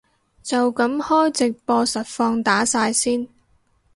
就噉開直播實況打晒先